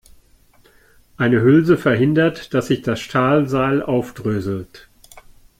Eine Hülse verhindert, dass sich das Stahlseil aufdröselt.